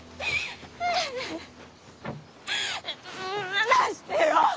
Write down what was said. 離してよ！